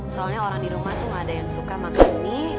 soalnya orang di rumah tuh gak ada yang suka makan mie